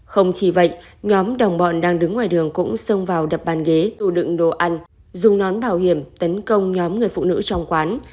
không chỉ vậy nhóm đồng bọn đang đứng ngoài đường cũng xông vào đập bàn ghế u đựng đồ ăn dùng nón bảo hiểm tấn công nhóm người phụ nữ trong quán